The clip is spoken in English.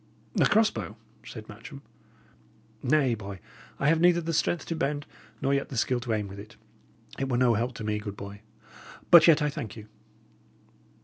"A cross bow!" said Matcham. "Nay, boy, I have neither the strength to bend nor yet the skill to aim with it. It were no help to me, good boy. But yet I thank you."